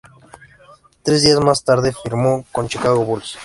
Tres días más tarde firmó con Chicago Bulls.